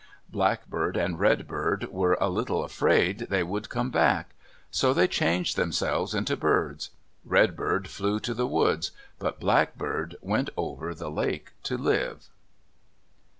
Blackbird and Redbird were a little afraid they would come back. So they changed themselves into birds. Redbird flew to the woods, but Blackbird went over the lake to live.